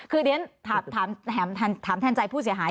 คือเรียนถามแทนใจผู้เสียหาย